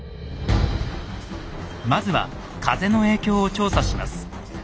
まずは風の影響を調査します。